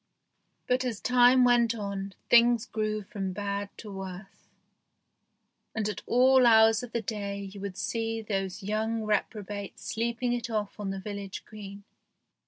But as time went on, things grew from bad to worse, and at all hours of the day you would see those young reprobates sleeping it off on the village green.